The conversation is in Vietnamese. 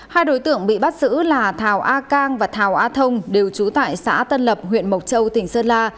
hai đối tượng bị bắt giữ là thảo a cang và thảo a thông đều trú tại xã tân lập huyện mộc châu tỉnh sơn la